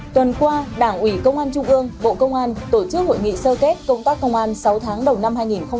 tuần qua đảng ủy công an trung ương bộ công an tổ chức hội nghị sơ kết công tác công an sáu tháng đầu năm hai nghìn hai mươi ba